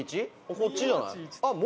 こっちじゃない？」